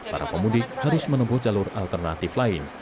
para pemudik harus menempuh jalur alternatif lain